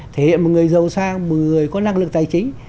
thể hiện một người giàu sang một người có năng lực tài chính